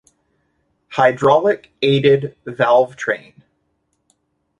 Hydraulic aided valvetrain.